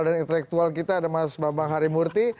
dan intelektual kita ada mas bambang harimurti